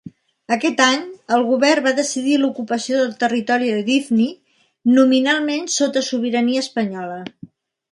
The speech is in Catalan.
Aquest any, el govern va decidir l'ocupació del territori d'Ifni, nominalment sota sobirania espanyola.